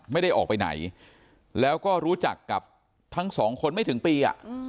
ไม่ได้ออกไปไหนแล้วก็รู้จักกับทั้งสองคนไม่ถึงปี